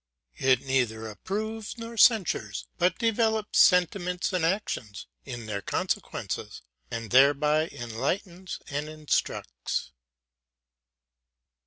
It neither approves nor censures, but develops sentiments and actions in their consequences, and thereby enlightens and instructs.